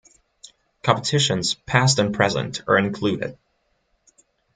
Competitions past and present are included.